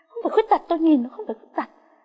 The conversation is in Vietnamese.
không phải khuyết tật tôi nhìn nó không phải khuyết tật